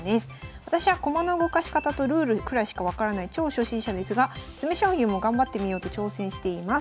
「私は駒の動かし方とルールくらいしか分からない超初心者ですが詰将棋も頑張ってみようと挑戦しています。